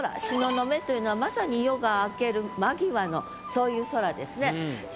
「東雲」というのはまさに夜が明ける間際のそういう空ですね。